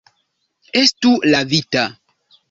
Estu lavita.